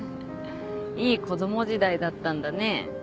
いい子供時代だったんだねぇ。